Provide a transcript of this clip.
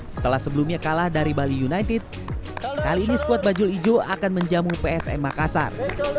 setelah sebelumnya kalah dari bali united kali ini skuad bajul ijo akan menjamu psm makassar